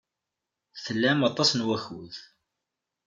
Tlam aṭas n wakud.